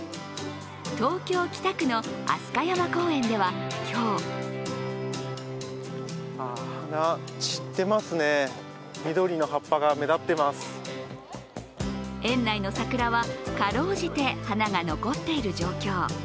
東京・北区の飛鳥山公園では今日園内の桜は、辛うじて花が残っている状況。